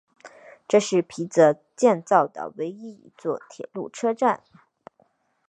这是皮泽建造的唯一一座铁路车站。